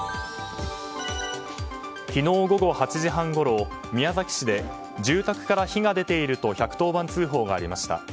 昨日午後８時半ごろ宮崎市で住宅から火が出ていると１１０番通報がありました。